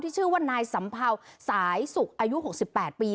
ชื่อว่านายสัมเภาสายสุกอายุ๖๘ปี